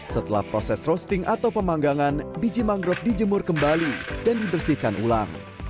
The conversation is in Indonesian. setelah proses roasting atau pemanggangan biji mangrove dijemur kembali dan dibersihkan ulang